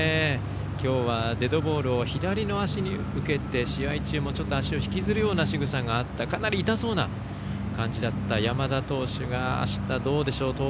きょうはデッドボールを左の足に受けて試合中もちょっと足を引きずるようなしぐさがあった、かなり痛そうな感じだった、山田投手があした、どうでしょう。